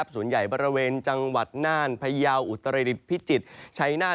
ส่วนใหญ่บริเวณจังหวัดน่านพยาวอุตรดิษฐพิจิตรชัยนาธ